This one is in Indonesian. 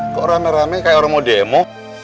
kok rame rame kayak orang mau demo